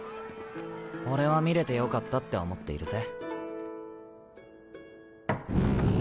俺は見れてよかったって思っているぜ。